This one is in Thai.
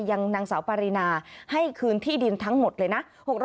นางสาวปารีนาให้คืนที่ดินทั้งหมดเลยนะ